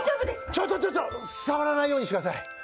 ちょっとちょっと触らないようにしてください。